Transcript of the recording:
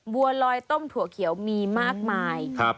บัวลอยต้มถั่วเขียวมีมากมาย